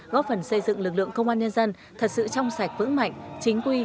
góp phần xây dựng lực lượng công an nhân dân thật sự trong sạch vững mạnh chính quy